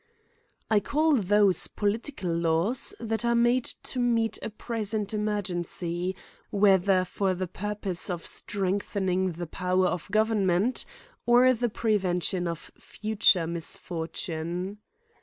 I call those, political laws, that are made to meet a present emergency, whether for the purpose of strengthening the power of government, or the prevention of future misfortune.